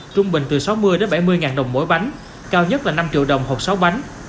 trung bình từ sáu mươi bảy mươi ngàn đồng mỗi bánh cao nhất là năm triệu đồng hộp sáu bánh